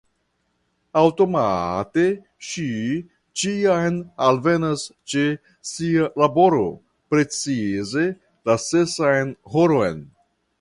Aŭtomate ŝi ĉiam alvenas ĉe sia laboro, precize la sesan horon.